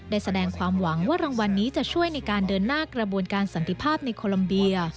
ได้แสดงความหวังว่ารางวัลนี้จะช่วยในการเดินหน้ากระบวนการสันติภาพในโคลัมเบีย